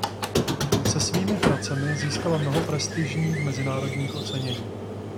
Se svými pracemi získala mnoho prestižních mezinárodních ocenění.